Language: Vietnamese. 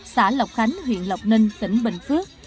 xã lộc khánh huyện lộc ninh tỉnh bình phước